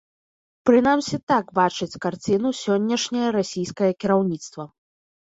Прынамсі так бачыць карціну сённяшняе расійскае кіраўніцтва.